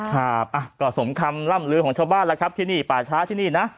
ครับก็สมคำล่ำลือของชาวบ้านแล้วครับที่นี่ป่าช้าที่นี่นะ